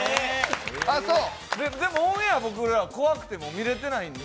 でもオンエア、僕ら怖くて、もう見れてないんで。